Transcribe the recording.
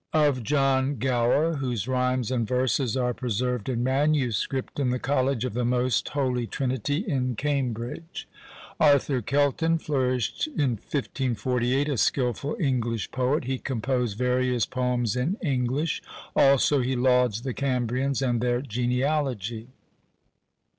"Of John Gower; whose rhymes and verses are preserved in manuscript in the college of the most Holy Trinity, in Cambridge. "Arthur Kelton, flourished in 1548, a skilful English poet: he composed various poems in English; also he lauds the Cambrians and their genealogy.